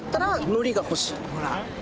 ほら！